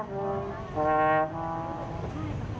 เพลงที่๑๐ทรงโปรด